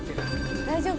大丈夫。